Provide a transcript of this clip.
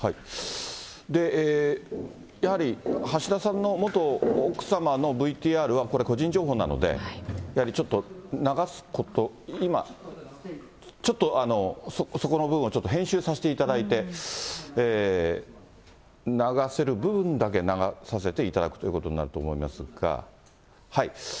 で、やはり橋田さんの元奥様のＶＴＲはこれ、個人情報なのでやはりちょっと流すこと、今、ちょっと、そこの部分はちょっと編集させていただいて、流せる部分だけ流させていただくということになると思いますが。